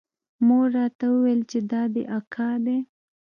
مور راته وويل چې دا دې اکا دى.